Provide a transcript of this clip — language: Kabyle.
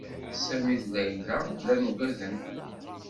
Sami d Layla llan uggaden.